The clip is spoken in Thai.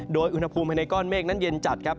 โดยอุณหภูมิภายในก้อนเมฆนั้นเย็นจัดครับ